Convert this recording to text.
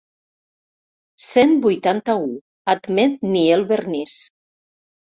Cent vuitanta-u admet ni el vernís.